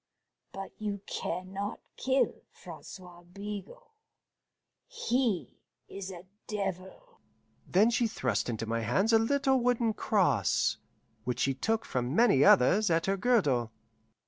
But you can not kill Francois Bigot, he is a devil." Then she thrust into my hands a little wooden cross, which she took from many others at her girdle.